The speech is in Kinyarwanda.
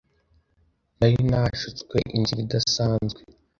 Nari nashutswe inzira idasanzwe,